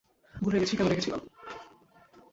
ভুলে গেছি, কেন ডেকেছিলাম।